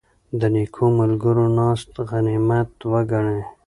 د نېکو ملګرو ناسته غنیمت وګڼئ.